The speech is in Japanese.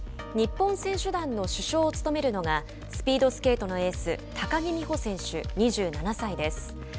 日本選手団の主将を務めるのがスピードスケートのエース高木美帆選手、２７歳です。